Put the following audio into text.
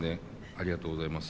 ありがとうございます。